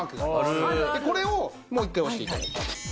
これをもう一回押して頂いて。